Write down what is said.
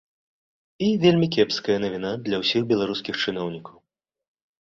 І вельмі кепская навіна для ўсіх беларускіх чыноўнікаў.